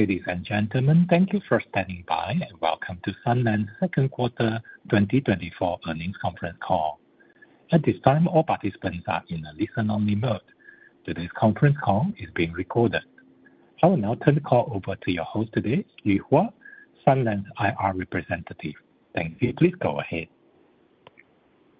Ladies and gentlemen, thank you for standing by, and welcome to Sunlands' second quarter 2024 earnings conference call. At this time, all participants are in a listen-only mode. Today's conference call is being recorded. I will now turn the call over to your host today, Yuhua Ye, Sunlands' IR representative. Thank you. Please go ahead.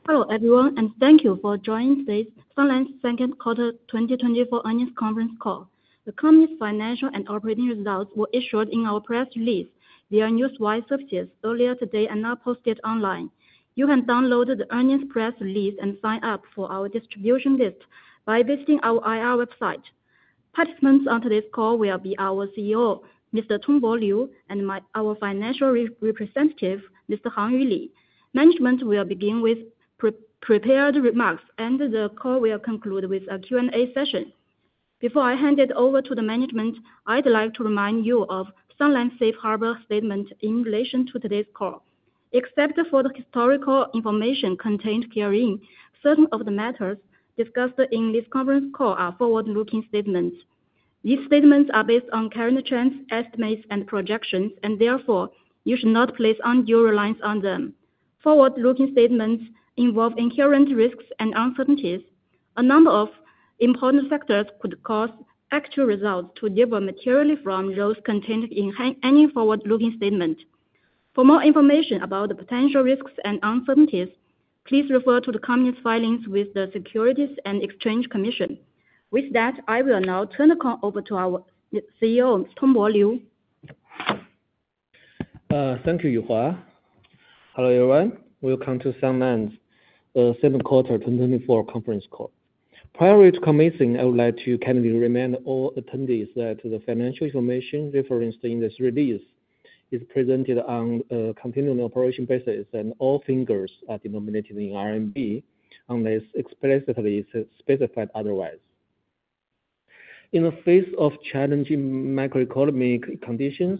Hello, everyone, and thank you for joining today's Sunlands' second quarter 2024 earnings conference call. The company's financial and operating results were issued in our press release via Newswire services earlier today and are posted online. You can download the earnings press release and sign up for our distribution list by visiting our IR website. Participants on today's call will be our CEO, Mr. Tongbo Liu, and our financial representative, Mr. Hangyu Li. Management will begin with prepared remarks, and the call will conclude with a Q&A session. Before I hand it over to the management, I'd like to remind you of Sunlands' safe harbor statement in relation to today's call. Except for the historical information contained herein, certain of the matters discussed in this conference call are forward-looking statements. These statements are based on current trends, estimates, and projections, and therefore, you should not place undue reliance on them. Forward-looking statements involve inherent risks and uncertainties. A number of important factors could cause actual results to differ materially from those contained in any forward-looking statement. For more information about the potential risks and uncertainties, please refer to the company's filings with the Securities and Exchange Commission. With that, I will now turn the call over to our CEO, Tongbo Liu. Thank you, Yuhua. Hello, everyone. Welcome to Sunlands' second quarter 2024 conference call. Prior to commencing, I would like to kindly remind all attendees that the financial information referenced in this release is presented on a continuing operation basis, and all figures are denominated in RMB, unless explicitly specified otherwise. In the face of challenging macroeconomic conditions,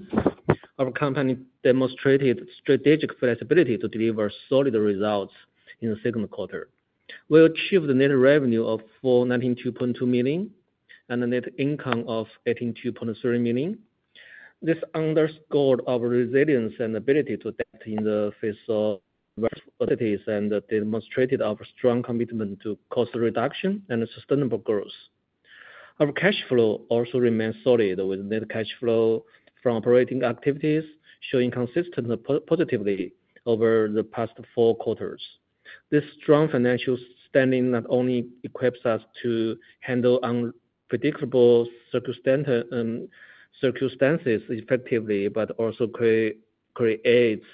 our company demonstrated strategic flexibility to deliver solid results in the second quarter. We achieved a net revenue of 492.2 million and a net income of 82.3 million. This underscored our resilience and ability to adapt in the face of adversities and demonstrated our strong commitment to cost reduction and sustainable growth. Our cash flow also remains solid, with net cash flow from operating activities showing consistently positive over the past four quarters. This strong financial standing not only equips us to handle unpredictable circumstances effectively, but also creates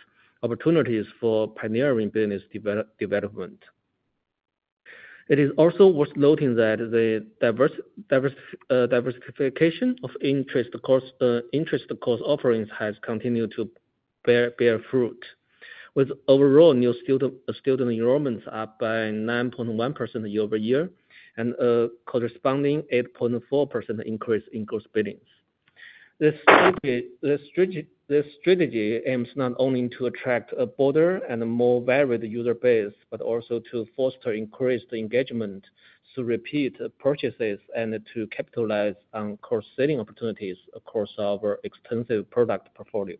opportunities for pioneering business development. It is also worth noting that the diversification of interest course offerings has continued to bear fruit, with overall new student enrollments up by 9.1% year-over-year, and a corresponding 8.4% increase in course billings. This strategy aims not only to attract a broader and more varied user base, but also to foster increased engagement through repeat purchases and to capitalize on course setting opportunities across our extensive product portfolio.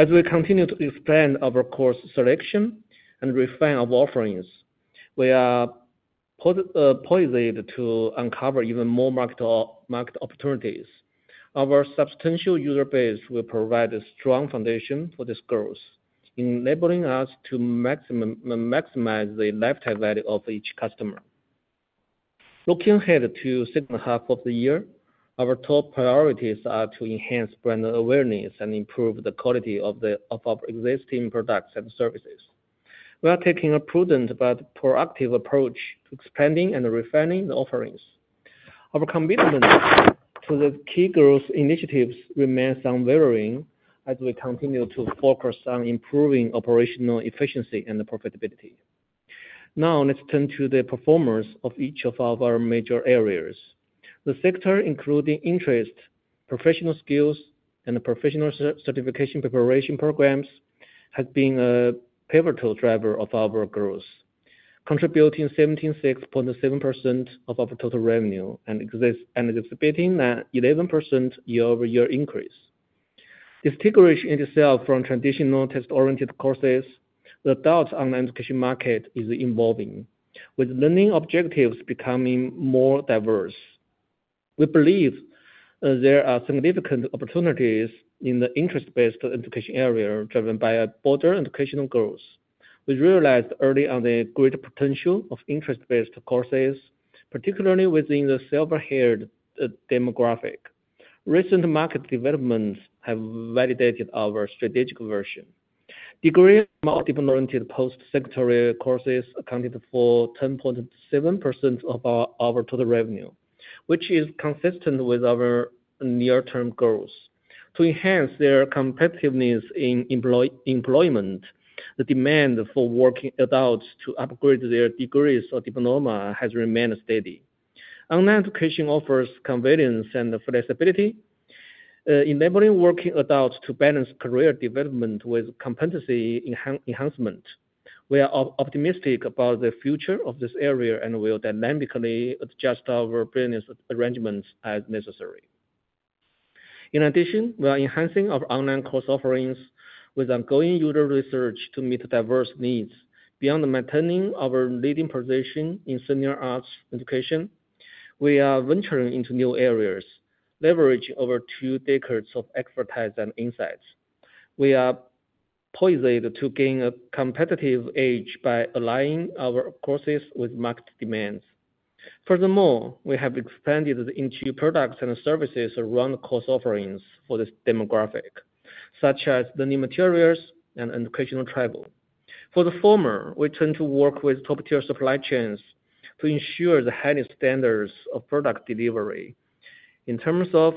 As we continue to expand our course selection and refine our offerings, we are poised to uncover even more market opportunities. Our substantial user base will provide a strong foundation for this growth, enabling us to maximize the lifetime value of each customer. Looking ahead to second half of the year, our top priorities are to enhance brand awareness and improve the quality of our existing products and services. We are taking a prudent but proactive approach to expanding and refining the offerings. Our commitment to the key growth initiatives remains unwavering as we continue to focus on improving operational efficiency and profitability. Now, let's turn to the performance of each of our major areas. The sector, including interest, professional skills, and professional certification preparation programs, has been a pivotal driver of our growth, contributing 76.7% of our total revenue, existing and anticipating an 11% year-over-year increase. Differentiating itself from traditional test-oriented courses, the adult online education market is evolving, with learning objectives becoming more diverse. We believe there are significant opportunities in the interest-based education area, driven by a broader educational growth. We realized early on the great potential of interest-based courses, particularly within the silver-haired demographic. Recent market developments have validated our strategic vision. Degree or diploma-oriented post-secondary courses accounted for 10.7% of our total revenue, which is consistent with our near-term goals. To enhance their competitiveness in employment, the demand for working adults to upgrade their degrees or diploma has remained steady. Online education offers convenience and flexibility, enabling working adults to balance career development with competency enhancement. We are optimistic about the future of this area, and we'll dynamically adjust our business arrangements as necessary. In addition, we are enhancing our online course offerings with ongoing user research to meet diverse needs. Beyond maintaining our leading position in senior arts education, we are venturing into new areas, leveraging over two decades of expertise and insights. We are poised to gain a competitive edge by aligning our courses with market demands. Furthermore, we have expanded into products and services around the course offerings for this demographic, such as the new materials and educational travel. For the former, we tend to work with top-tier supply chains to ensure the highest standards of product delivery. In terms of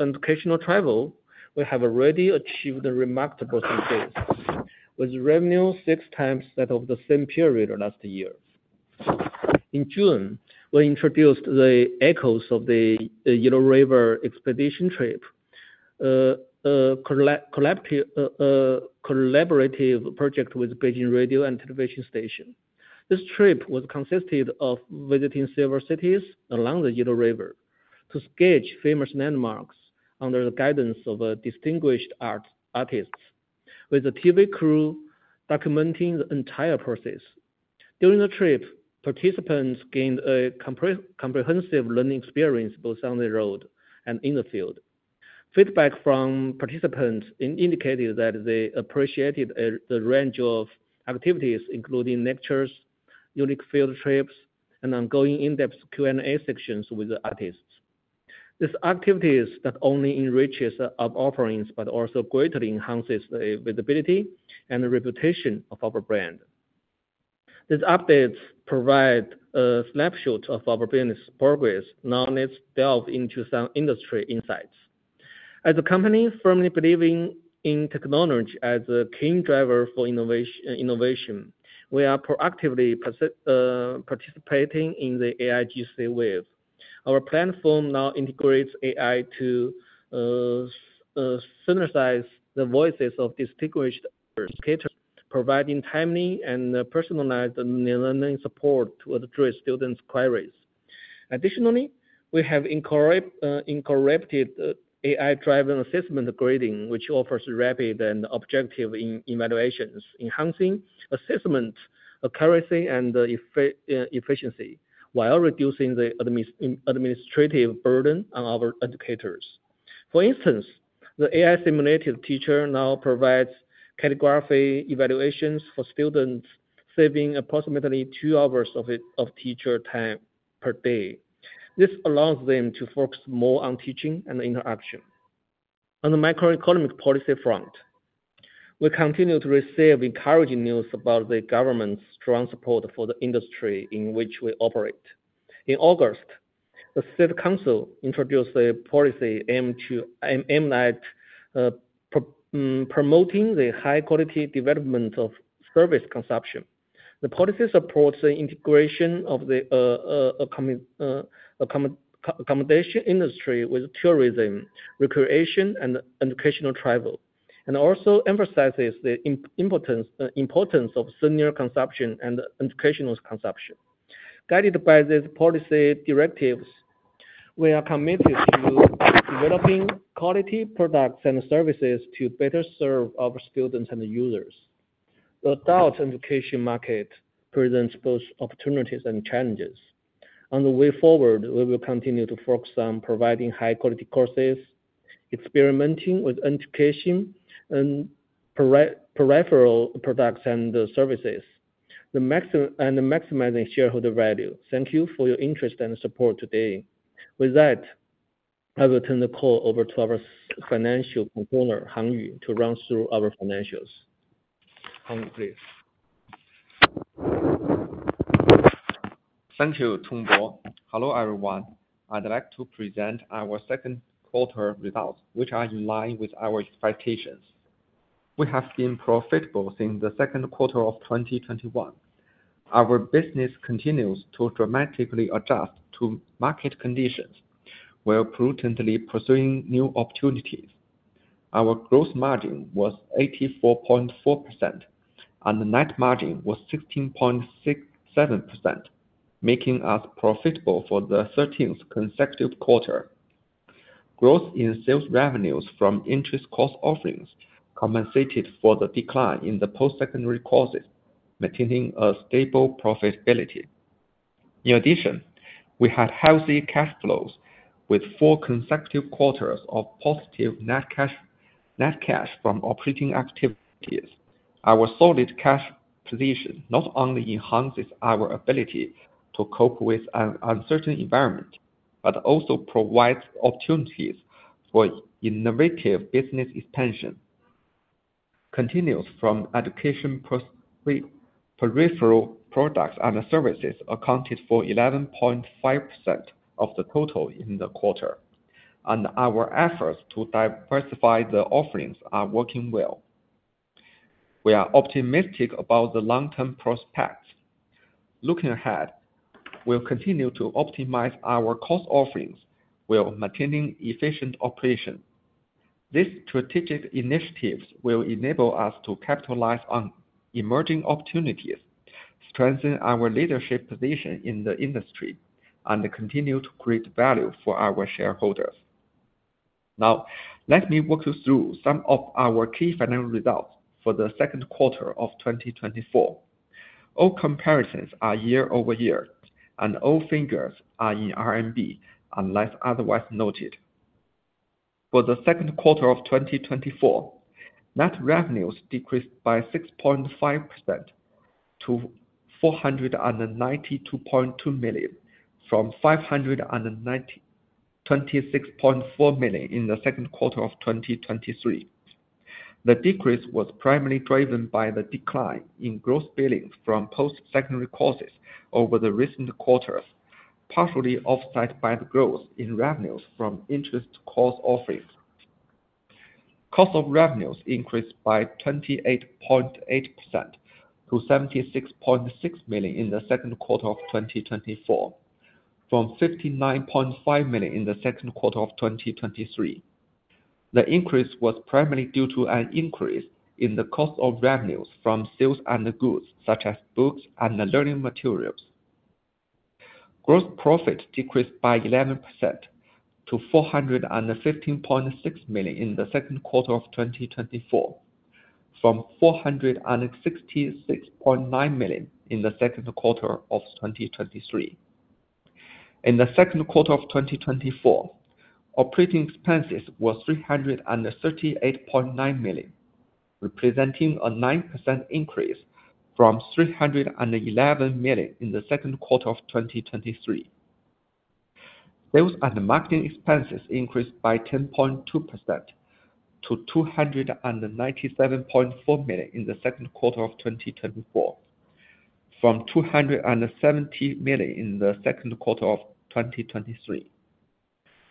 educational travel, we have already achieved a remarkable success, with revenue six times that of the same period last year. In June, we introduced the Echoes of the Yellow River Expedition trip, collaborative project with Beijing Radio & Television Station. This trip was consisted of visiting several cities along the Yellow River, to sketch famous landmarks under the guidance of distinguished artists, with a TV crew documenting the entire process. During the trip, participants gained a comprehensive learning experience, both on the road and in the field. Feedback from participants indicated that they appreciated the range of activities, including lectures, unique field trips, and ongoing in-depth Q&A sessions with the artists. These activities not only enriches our offerings, but also greatly enhances the visibility and the reputation of our brand. These updates provide a snapshot of our business progress. Now, let's delve into some industry insights. As a company firmly believing in technology as a key driver for innovation, we are proactively participating in the AIGC wave. Our platform now integrates AI to synthesize the voices of distinguished educators, providing timely and personalized learning support to address students' queries. Additionally, we have incorporated AI-driven assessment grading, which offers rapid and objective evaluations, enhancing assessment accuracy, and efficiency, while reducing the administrative burden on our educators. For instance, the AI simulated teacher now provides calligraphy evaluations for students, saving approximately two hours of teacher time per day. This allows them to focus more on teaching and interaction. On the macroeconomic policy front, we continue to receive encouraging news about the government's strong support for the industry in which we operate. In August, the State Council introduced a policy aimed at promoting the high quality development of service consumption. The policy supports the integration of the accommodation industry with tourism, recreation, and educational travel, and also emphasizes the importance of senior consumption and educational consumption. Guided by these policy directives, we are committed to developing quality products and services to better serve our students and the users. The adult education market presents both opportunities and challenges. On the way forward, we will continue to focus on providing high-quality courses, experimenting with education and peripheral products and services, and maximizing shareholder value. Thank you for your interest and support today. With that, I will turn the call over to our Financial Controller, Hangyu, to run through our financials. Hangyu, please. Thank you, Tongbo. Hello, everyone. I'd like to present our second quarter results, which are in line with our expectations. We have been profitable since the second quarter of 2021. Our business continues to dramatically adjust to market conditions, while prudently pursuing new opportunities. Our gross margin was 84.4%, and the net margin was 16.67%, making us profitable for the thirteenth consecutive quarter. Growth in sales revenues from interest course offerings compensated for the decline in the post-secondary courses, maintaining a stable profitability. In addition, we had healthy cash flows with 4 consecutive quarters of positive net cash, net cash from operating activities. Our solid cash position not only enhances our ability to cope with an uncertain environment, but also provides opportunities for innovative business expansion. Continuing from peripheral products and services accounted for 11.5% of the total in the quarter, and our efforts to diversify the offerings are working well. We are optimistic about the long-term prospects. Looking ahead, we'll continue to optimize our course offerings, while maintaining efficient operation. These strategic initiatives will enable us to capitalize on emerging opportunities, strengthen our leadership position in the industry, and continue to create value for our shareholders. Now, let me walk you through some of our key financial results for the second quarter of 2024. All comparisons are year-over-year, and all figures are in RMB, unless otherwise noted. For the second quarter of 2024, net revenues decreased by 6.5% to 492.2 million, from 526.4 million in the second quarter of 2023. The decrease was primarily driven by the decline in gross billings from post-secondary courses over the recent quarters, partially offset by the growth in revenues from interest course offerings. Cost of revenues increased by 28.8% to 76.6 million in the second quarter of 2024, from 59.5 million in the second quarter of 2023. The increase was primarily due to an increase in the cost of revenues from sales and the goods, such as books and the learning materials. Gross profit decreased by 11% to 415.6 million in the second quarter of 2024, from 466.9 million in the second quarter of 2023. In the second quarter of 2024, operating expenses were 338.9 million, representing a 9% increase from 311 million in the second quarter of 2023. Sales and marketing expenses increased by 10.2% to 297.4 million in the second quarter of 2024, from 270 million in the second quarter of 2023.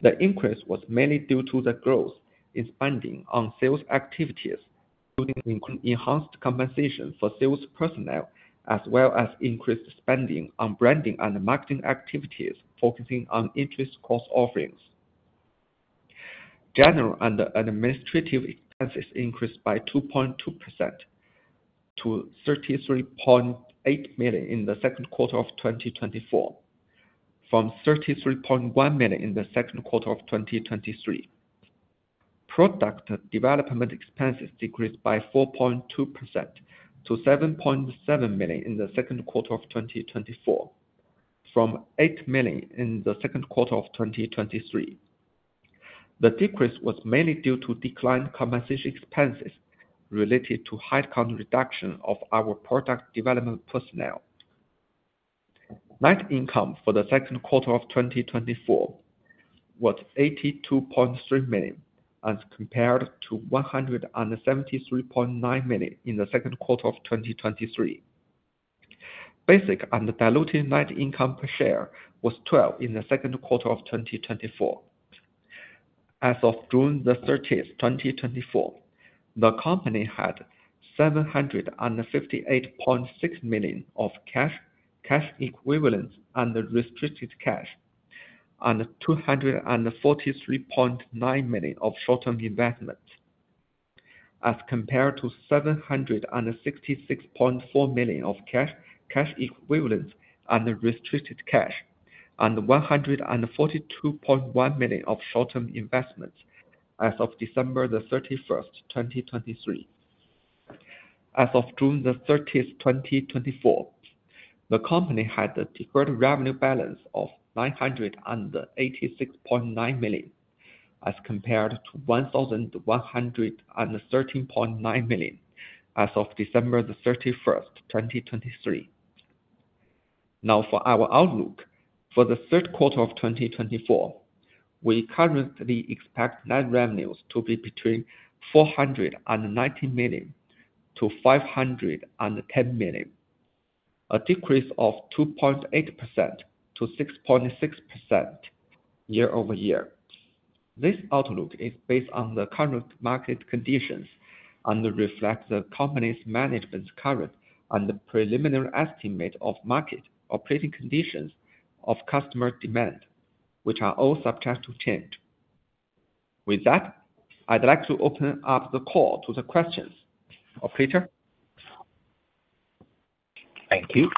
The increase was mainly due to the growth in spending on sales activities, including increased enhanced compensation for sales personnel, as well as increased spending on branding and marketing activities, focusing on interest course offerings. General and administrative expenses increased by 2.2% to 33.8 million in the second quarter of 2024, from 33.1 million in the second quarter of 2023. Product development expenses decreased by 4.2% to 7.7 million in the second quarter of 2024, from 8 million in the second quarter of 2023. The decrease was mainly due to declined compensation expenses related to head count reduction of our product development personnel. Net income for the second quarter of 2024 was 82.3 million, as compared to 173.9 million in the second quarter of 2023. Basic and diluted net income per share was 0.12 in the second quarter of 2024. As of June 30, 2024, the company had 758.6 million of cash, cash equivalents, and restricted cash, and 243.9 million of short-term investments, as compared to 766.4 million of cash, cash equivalents, and restricted cash, and 142.1 million of short-term investments as of December 31st, 2023. As of June 30th, 2024, the company had a deferred revenue balance of 986.9 million, as compared to 1,113.9 million as of December 31st, 2023. Now, for our outlook. For the third quarter of 2024, we currently expect net revenues to be between 490 million to 510 million, a decrease of 2.8% to 6.6% year-over-year. This outlook is based on the current market conditions and reflect the company's management's current and the preliminary estimate of market, operating conditions of customer demand, which are all subject to change. With that, I'd like to open up the call to the questions. Operator? Thank you.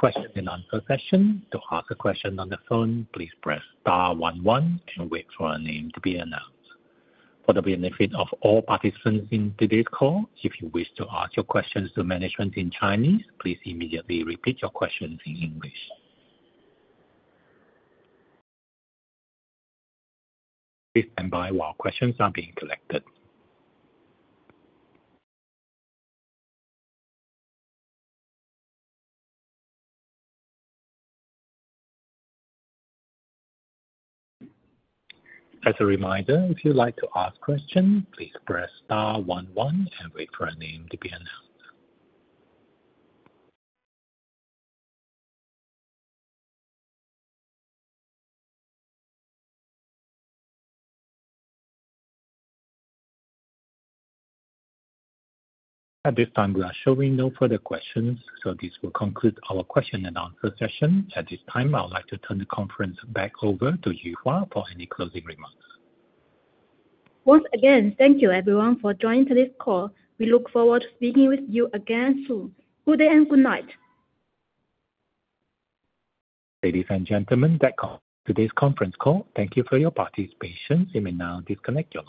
We will now begin question-and-answer session. To ask a question on the phone, please press star one one and wait for your name to be announced. For the benefit of all participants in today's call, if you wish to ask your questions to management in Chinese, please immediately repeat your questions in English. Please stand by while questions are being collected. As a reminder, if you'd like to ask question, please press star one one and wait for your name to be announced. At this time, we are showing no further questions, so this will conclude our question and answer session. At this time, I would like to turn the conference back over to Yuhua for any closing remarks. Once again, thank you everyone for joining today's call. We look forward to speaking with you again soon. Good day and good night. Ladies and gentlemen, that concludes today's conference call. Thank you for your participation. You may now disconnect your line.